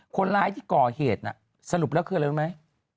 คนร้ายที่ก่อเหตุน่ะสรุปแล้วคืออะไรรู้ไหม